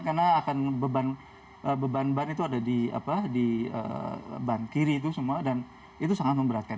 karena akan beban beban itu ada di ban kiri itu semua dan itu sangat memberatkan